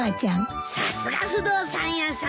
さすが不動産屋さん。